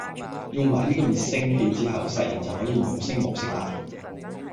用埋呢個滅聲器之後，殺人就可以無聲無息喇